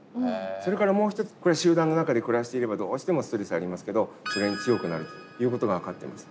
それからもう一つこれは集団の中で暮らしていればどうしてもストレスありますけどそれに強くなるということが分かってます。